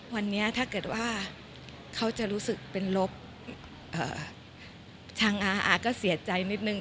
วันนี้ถ้าเกิดว่าเขาจะรู้สึกเป็นลบทางอาก็เสียใจนิดนึง